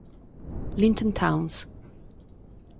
Linton Townes